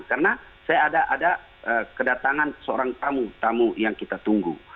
karena saya ada kedatangan seorang tamu tamu yang kita tunggu